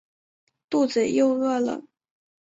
肚子又饿了